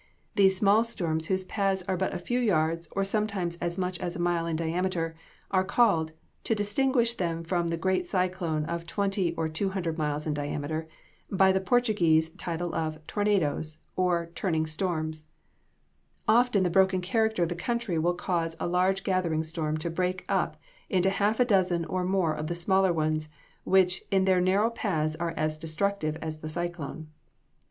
These small storms whose paths are but a few yards, or sometimes as much as a mile in diameter, are called, to distinguish them from the great cyclone of twenty to two hundred miles in diameter, by the Portuguese title of tornados, or "turning storms." Often the broken character of the country will cause a large gathering storm to break [Illustration: WHERE THE STORM ENTERED LOUISVILLE.] up into half a dozen or more of the smaller ones, which, in their narrow paths are as destructive as the cyclone.